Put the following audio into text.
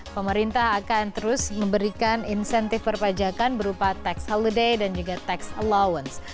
pemerintah akan terus memberikan insentif perpajakan berupa tax holiday dan juga tax allowance